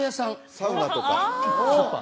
サウナとか？